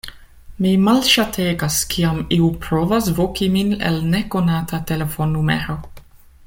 Mi malŝategas kiam iu provas voki min el nekonata telefonnumero.